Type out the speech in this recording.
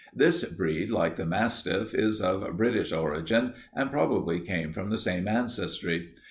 This breed, like the mastiff, is of British origin, and probably came from the same ancestry.